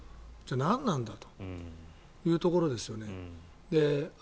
じゃあ、何なんだというところですよね。